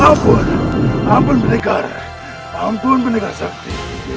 ampun ampun pendekar ampun pendekar sakti